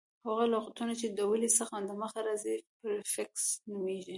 هغه لغتونه، چي د ولي څخه دمخه راځي پریفکس نومیږي.